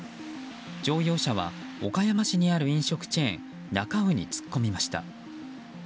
乗用車は岡山市にある飲食チェーンなか卯に突っ込みました。